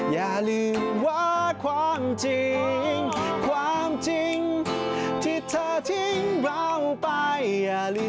อย่าลืมว่าความจริงความจริงที่เธอทิ้งเราไปอย่าลืม